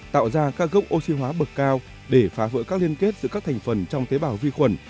tạo ra các gốc oxy hóa bậc cao để phá vỡ các liên kết giữa các thành phần trong tế bào vi khuẩn